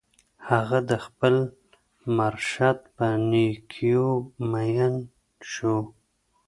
هغه د خپل مرشد په نېکیو مین شو